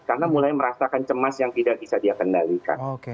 karena mulai merasakan cemas yang tidak bisa dia kendalikan